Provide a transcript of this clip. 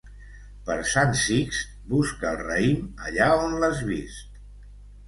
Per Sant Sixt busca el raïm allà on l'has vist.